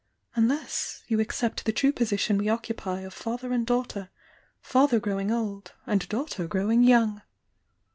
'— unless you accept the true position we oc cupy of father and daughter— father growing old and daughter growing young!"